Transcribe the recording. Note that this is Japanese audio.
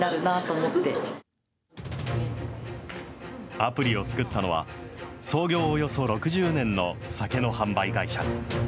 アプリを作ったのは、創業およそ６０年の酒の販売会社。